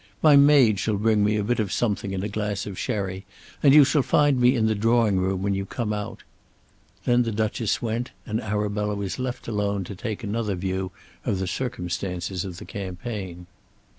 My maid shall bring me a bit of something and a glass of sherry, and you shall find me in the drawing room when you come out." Then the Duchess went, and Arabella was left alone to take another view of the circumstances of the campaign.